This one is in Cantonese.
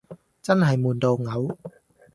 真係悶到嘔